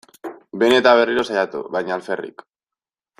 Behin eta berriro saiatu, baina alferrik.